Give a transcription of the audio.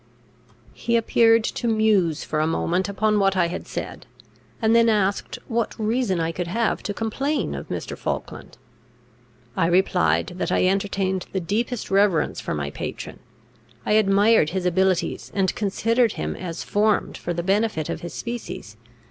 He appeared to muse for a moment upon what I had said, and then asked what reason I could have to complain of Mr. Falkland? I replied, that I entertained the deepest reverence for my patron; I admired his abilities, and considered him as formed for the benefit of his species.